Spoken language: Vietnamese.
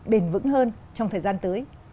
bền vững hơn trong thời gian tới